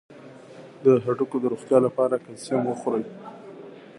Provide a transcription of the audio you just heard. د هډوکو د روغتیا لپاره کلسیم وخورئ